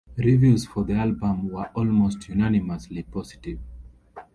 Reviews for the album were almost unanimously positive.